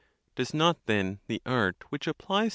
—Does not then the art which (applies) 5.